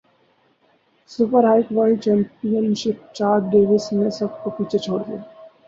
super bike world championship Chaz Davies نے سب کو پیچھے چھوڑ دیا